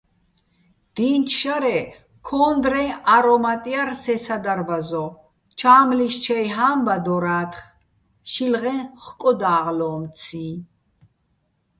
დი́ნჩო̆ შარე, ქო́ნდრეჼ არომატ ჲარ სე სადარბაზო, ჩა́მლიშ ჩაჲ ჰა́მბადორა́თხ შილღეჼ ხკოდა́ღლო́მციჼ.